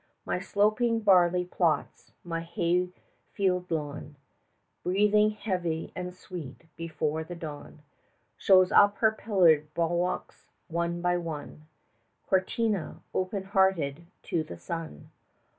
My sloping barley plots, my hayfield lawn 35 Breathing heavy and sweet, before the dawn Shows up her pillared bulwarks one by one Cortina, open hearted to the Sun!